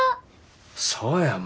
そうや舞。